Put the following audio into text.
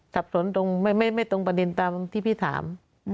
สับสนตรงไม่ตรงประเด็นตามที่พี่ถาม